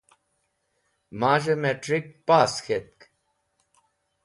Maz̃hey Matric Pass k̃hetkt.